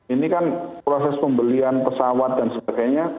ini kan proses pembelian pesawat dan sebagainya